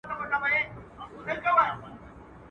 خوار که خداى کړې، دا سپى نو چا کړې؟